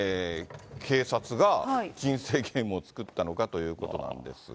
警察が人生ゲームを作ったのかということなんですが。